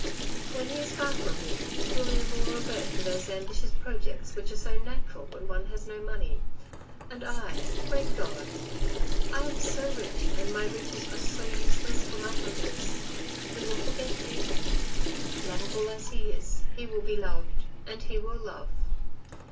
When he is far from me, Julien will revert to those ambitious projects which are so natural when one has no money. And I, Great God ! I am so rich, and my riches are so useless for my happiness. He will forget me. Love able as he is, he will be loved, and he will love.